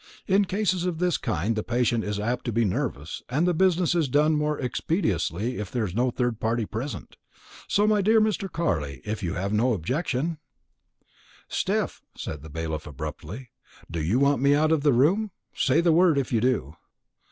In cases of this kind the patient is apt to be nervous, and the business is done more expeditiously if there is no third party present. So, my dear Mr. Carley, if you have no objection " "Steph," said the bailiff abruptly, "do you want me out of the room? Say the word, if you do."